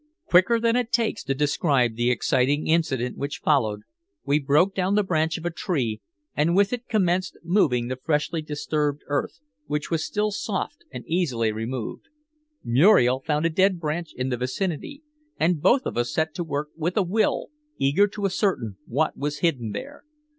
Quicker than it takes to describe the exciting incident which followed, we broke down the branch of a tree and with it commenced moving the freshly disturbed earth, which was still soft and easily removed. Muriel found a dead branch in the vicinity, and both of us set to work with a will, eager to ascertain what was hidden there.